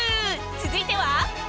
続いては。